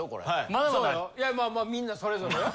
まあみんなそれぞれよ。